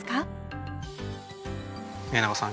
宮永さん